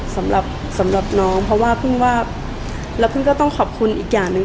สำหรับสำหรับน้องเพราะว่าพึ่งว่าแล้วพึ่งก็ต้องขอบคุณอีกอย่างหนึ่ง